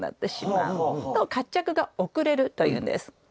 「活着が遅れる」というんです。